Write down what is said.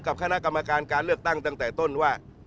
คณะกรรมการการเลือกตั้งตั้งแต่ต้นว่า